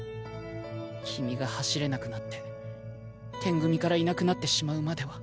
キミが走れなくなってテン組からいなくなってしまうまでは。